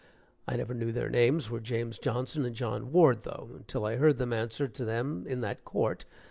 I never knew their names were James Johnson and John Ward, though, until I heard them answer to them in that court.